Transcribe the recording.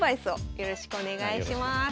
よろしくお願いします。